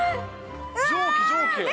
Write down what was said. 蒸気、蒸気。